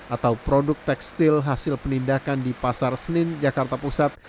atau produk tekstil hasil penindakan di pasar senin jakarta pusat